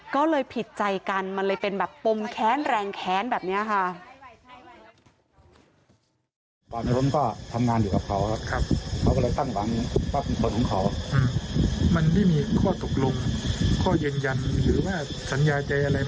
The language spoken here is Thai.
ก็เลยผิดใจกันมันเลยเป็นแบบปมแค้นแรงแค้นแบบนี้ค่ะ